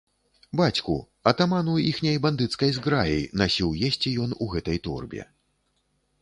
Бацьку, атаману іхняй бандыцкай зграі, насіў есці ён у гэтай торбе.